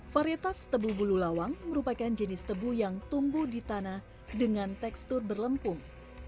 varietas tebu bulu lawang merupakan jenis tebu yang tumbuh di tanah dengan tekstur berlempung